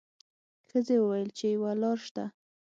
ښځې وویل چې یوه لار شته.